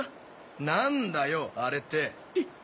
なんだよ「あれ」って？